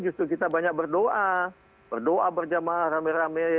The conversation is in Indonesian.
justru kita banyak berdoa berdoa berjamaah rame rame